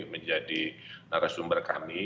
menjadi narasumber kami